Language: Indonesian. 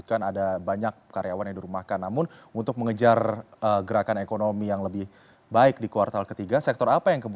dan diharapkan ini menurut saya akan menjadi kekuatan yang sangat baik untuk masyarakat